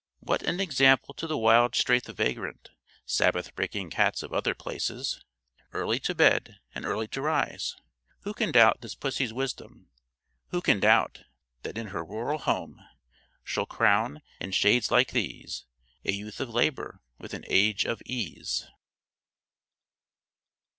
What an example to the wild strath vagrant, Sabbath breaking cats of other places! Early to bed and early to rise, who can doubt this pussy's wisdom? Who can doubt that in her rural home "She'll crown, in shades like these, A youth of labour with an age of ease."